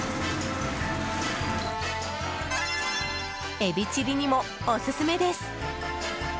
エビチリにもオススメです。